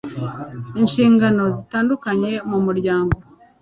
inshingano zitandukanye mu muryango